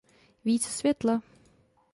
Více světla!